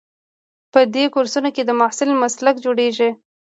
په دې کورسونو کې د محصل مسلک جوړیږي.